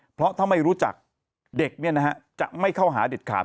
เพราะถ้าไม่รู้จักเด็กจะไม่เข้าหาเด็ดขาด